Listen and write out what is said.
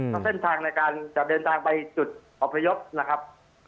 มันเป็นทางในการจับเดินทางไปจุดออกพระยกนะครับ